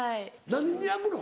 何に焼くの？